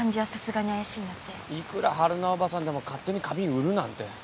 いくら春菜叔母さんでも勝手に花瓶売るなんて。